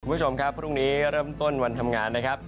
คุณผู้ชมครับพรุ่งนี้เริ่มต้นวันทำงานนะครับ